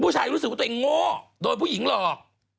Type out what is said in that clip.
รู้สึกว่าตัวเองโง่โดยผู้หญิงหลอก